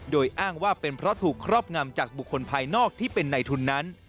โดยอ้างว่าเป็นเพราะถูกครอบงำจากบุคคลภายนอกที่เป็นในทุนนั้น